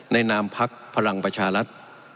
ในนามพักภรรยาประชารัฐ